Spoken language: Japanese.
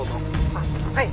「あっはい」